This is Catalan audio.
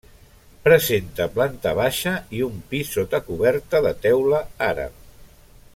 Presenta planta baixa i un pis, sota coberta de teula àrab.